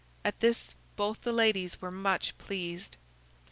At this both the ladies were much pleased.